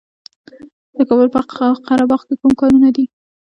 د کابل په قره باغ کې کوم کانونه دي؟